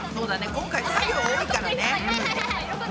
今回作業多いからね。